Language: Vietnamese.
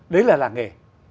đấy là làng nghề